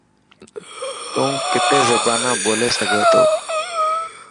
تو ڪتي زبانا ٻولي سگھي ٿو.